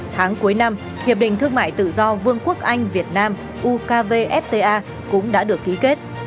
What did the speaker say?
tháng cuối năm hiệp định thương mại tự do vương quốc anh việt nam ukvfta cũng đã được ký kết